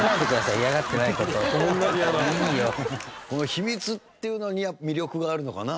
秘密っていうのには魅力があるのかな。